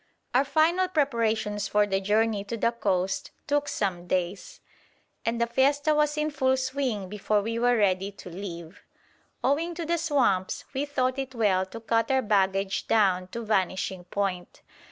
Our final preparations for the journey to the coast took some days, and the fiesta was in full swing before we were ready to leave. Owing to the swamps, we thought it well to cut our baggage down to vanishing point.